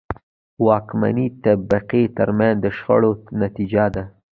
د واکمنې طبقې ترمنځ د شخړې نتیجه ده.